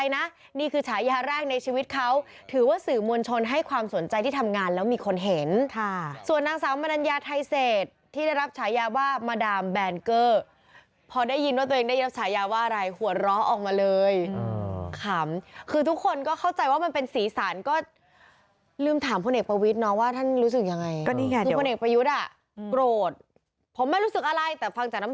นี่คือฉายาแรกในชีวิตเขาถือว่าสื่อมวลชนให้ความสนใจที่ทำงานแล้วมีคนเห็นค่ะส่วนนางสาวบรรณญาไทยเศษที่ได้รับฉายาว่ามาดามแบนเกอร์พอได้ยินว่าตัวเองได้รับฉายาว่าอะไรหัวเราะออกมาเลยอือขำคือทุกคนก็เข้าใจว่ามันเป็นศีรษรก็ลืมถามคนเอกประวิทย์เนาะว่าท่านรู้สึกยั